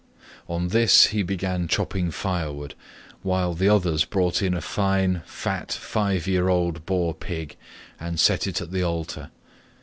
On this he began chopping firewood, while the others brought in a fine fat five year old boar pig, and set it at the altar.